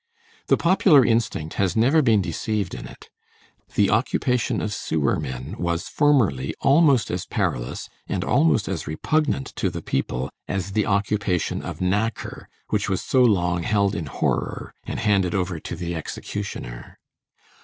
The popular instinct has never been deceived in it. The occupation of sewermen was formerly almost as perilous, and almost as repugnant to the people, as the occupation of knacker, which was so long held in horror and handed over to the executioner.